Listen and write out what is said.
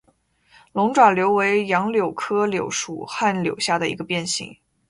龙爪柳为杨柳科柳属旱柳下的一个变型。